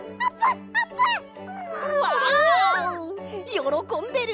よろこんでる！